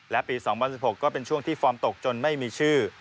และปี๒๐๑๖ก็เป็นช่วงที่ฟอร์มตกจนไม่มีชื่อ